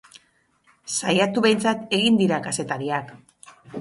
Saiatu behintzat egin dira kazetariak!